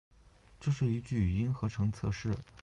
这是一句语音合成测试